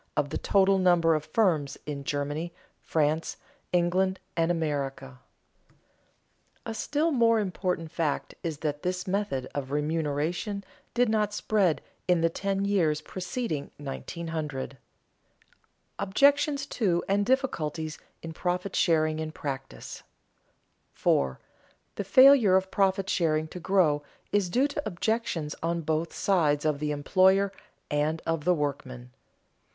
of the total number of firms in Germany, France, England, and America. A still more important fact is that this method of remuneration did not spread in the ten years preceding 1900. [Sidenote: Objections to and difficulties in profit sharing in practice] 4. _The failure of profit sharing to grow is due to objections on the side both of the employer and of the workman.